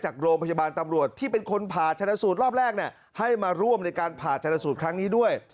จากโรงพยาบาลตำรวจที่เป็นคนผ่าชนะสูตรรอบแรกให้มาร่วมในการผ่าชนสูตรครั้งนี้ด้วย